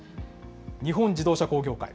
日本自動車工業会。